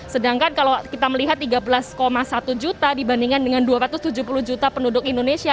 sedangkan kalau kita melihat tiga belas satu juta dibandingkan dengan dua ratus tujuh puluh juta penduduk indonesia